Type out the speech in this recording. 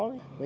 thứ ba nữa